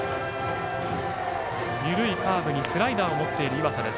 緩いカーブにスライダーを持っている岩佐です。